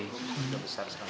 sudah besar sekarang